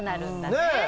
ねえ。